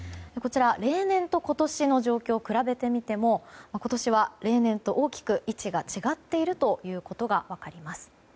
例年と今年の状況を比べてみても今年は例年と大きく位置が違っていることが分かります。